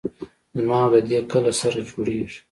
زما او د دې کله سره جوړېږي.